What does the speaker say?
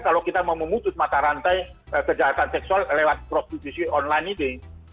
kalau kita mau memutus mata rantai kejahatan seksual lewat prostitusi online ini